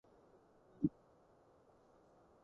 驚為天人呀